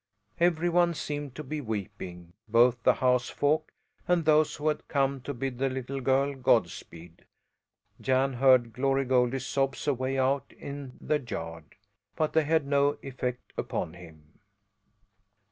Every one seemed to be weeping, both the housefolk and those who had come to bid the little girl Godspeed. Jan heard Glory Goldie's sobs away out in the yard, but they had no effect upon him.